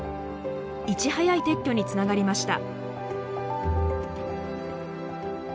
いち早い撤去につながりました。